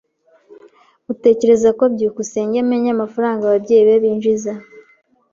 Utekereza ko byukusenge amenya amafaranga ababyeyi be binjiza?